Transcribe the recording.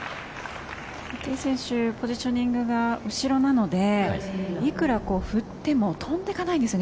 テイ選手ポジショニングが後ろなのでいくら振っても飛んでいかないんですよね。